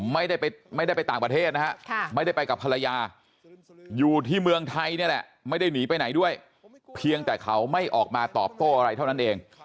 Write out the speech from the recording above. ไม่ได้ไปต่างประเทศนะฮะไม่ได้ไปกับภรรยาอยู่ที่เมืองไทยนี่แหละไม่ได้หนีไปไหนด้วยเพียงแต่เขาไม่ออกมาตอบโต้อะไรเท่านั้นเอง